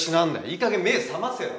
いいかげん目覚ませよ。